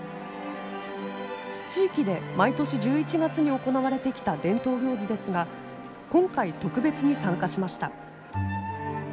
地域で毎年１１月に行われてきた伝統行事ですが今回特別に参加しました。